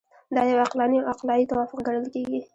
دا یو عقلاني او عقلایي توافق ګڼل کیږي.